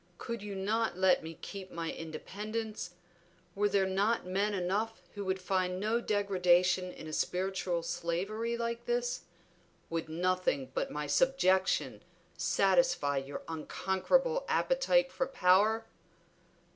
Could you not let me keep my independence? Were there not men enough who would find no degradation in a spiritual slavery like this? Would nothing but my subjection satisfy your unconquerable appetite for power?"